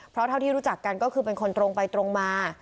เพราะเท่าที่รู้จักกันก็คือเป็นคนตรงไปตรงมา